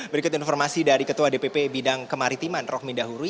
berikut informasi dari ketua dpp bidang kemaritiman rohm indahuri